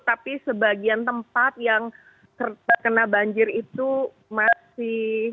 tapi sebagian tempat yang terkena banjir itu masih